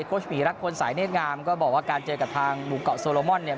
ชหมีรักพลสายเนธงามก็บอกว่าการเจอกับทางหมู่เกาะโซโลมอนเนี่ย